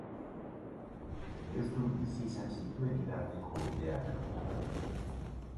Deustun bizi izan zituen hil arteko urteak.